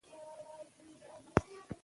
اداره د خلکو حقونو ته درناوی لري.